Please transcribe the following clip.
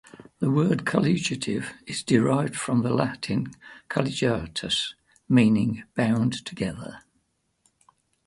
The word colligative is derived from the Latin "colligatus" meaning "bound together".